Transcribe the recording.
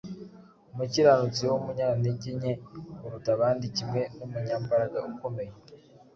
umukiranutsi w’umunyantege nke kuruta abandi kimwe n’umunyambaraga ukomeye,